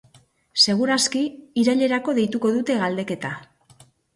Segur aski irailerako deituko dute galdeketa.